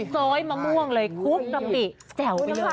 ซ้อยมะม่วงเลยคลุบลำปิแจบไปเลย